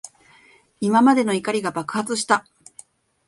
今までの怒りが爆発した。